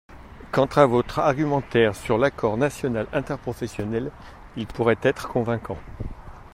Quant à votre argumentaire sur l’Accord national interprofessionnel, il pourrait être convaincant.